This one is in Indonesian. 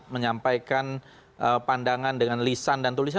menyampaikan pandangan dengan lisan dan tulisan